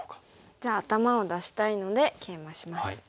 じゃあ頭を出したいのでケイマします。